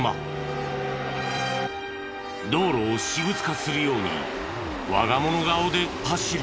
道路を私物化するように我が物顔で走る。